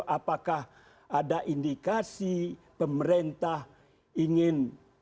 apakah ada indikasi pemerintah ingin